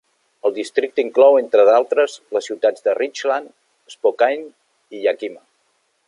El districte inclou, entre d'altres, les ciutats de Richland, Spokane i Yakima.